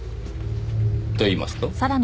といいますと？